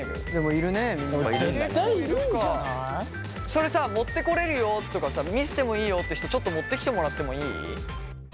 それさ持ってこれるよとかさ見せてもいいよって人ちょっと持ってきてもらってもいい？